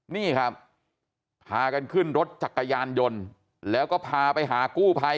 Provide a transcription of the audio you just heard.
นี่ครับพากันขึ้นรถจักรยานยนต์แล้วก็พาไปหากู้ภัย